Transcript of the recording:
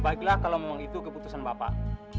baiklah kalau memang itu keputusan bapak